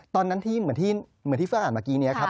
ตอนนั้นที่เหมือนที่เฟอร์อ่านเมื่อกี้นี้ครับ